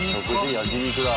焼き肉だ。